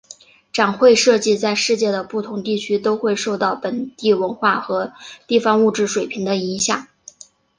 展会设计在世界的不同地区都会受到本地文化和地方物质水平的影响。